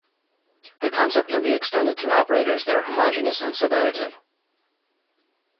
The concept can be extended to operators that are homogeneous and subadditive.